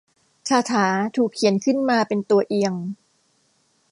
คาถาถูกเขียนขึ้นมาเป็นตัวเอียง